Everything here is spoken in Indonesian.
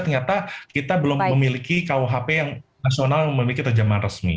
ternyata kita belum memiliki rkuhp yang rasional yang memiliki terjemahan resmi